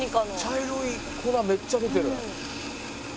茶色い粉めっちゃ出てる。